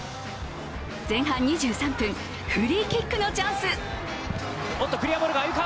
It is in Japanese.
前半２３分、フリーキックのチャンス。